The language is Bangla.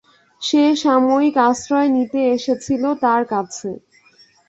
সে সাময়িক আশ্রয় নিতে এসেছিল তাঁর কাছে।